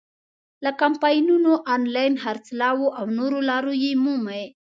له کمپاینونو، آنلاین خرڅلاو او نورو لارو یې مومي.